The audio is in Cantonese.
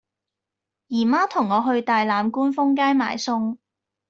姨媽同我去大欖冠峰街買餸